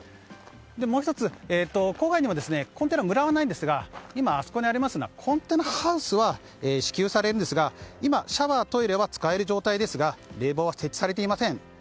もう１つ、郊外にもコンテナ村はないんですが今、あそこにあるコンテナハウスは支給されるんですが今、シャワーやトイレは使える状態ですが冷房は設置されていません。